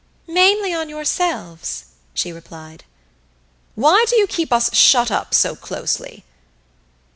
"Mainly on yourselves," she replied. "Why do you keep us shut up so closely?"